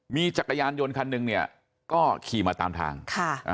มีจักรยานยนต์คันหนึ่งเนี่ยก็ขี่มาตามทางค่ะอ่า